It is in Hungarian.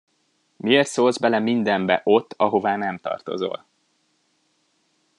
Miért szólsz bele mindenbe ott, ahová nem tartozol?